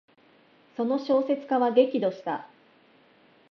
その小説家は激怒した。